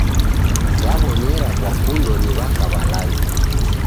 Yaw'onyera kwakundo ni w'aka w'alazi